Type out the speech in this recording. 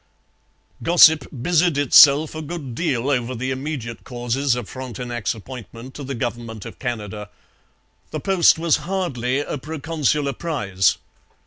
Gossip busied itself a good deal over the immediate causes of Frontenac's appointment to the government of Canada. The post was hardly a proconsular prize.